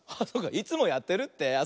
いつもやってるって？